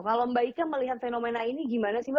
kalau mba ika melihat fenomena ini gimana sih mba